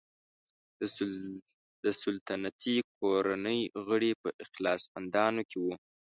د سلطنتي کورنۍ غړي په اخلاصمندانو کې وو.